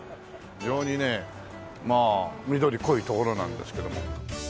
非常にねまあ緑濃い所なんですけども。